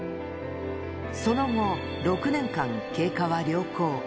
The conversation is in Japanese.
その後、６年間、経過は良好。